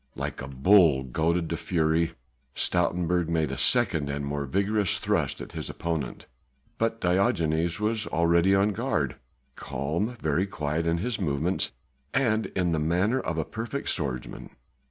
Like a bull goaded to fury Stoutenburg made a second and more vigorous thrust at his opponent. But Diogenes was already on guard: calm, very quiet in his movements in the manner of the perfect swordsman.